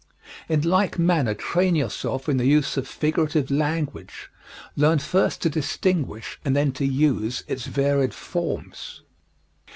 In like manner train yourself in the use of figurative language. Learn first to distinguish and then to use its varied forms.